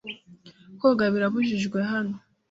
Koga birabujijwe hano.